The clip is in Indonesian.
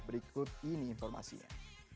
berikut ini informasinya